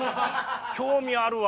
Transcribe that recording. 興味あるわ。